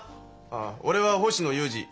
ああ俺は星野雄治。